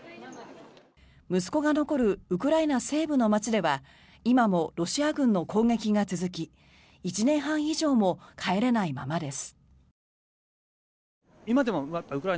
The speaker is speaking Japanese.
息子が残るウクライナ西部の街では今もロシア軍の攻撃が続き１年半以上も帰れないままです。